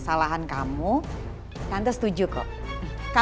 tuh kan ma pa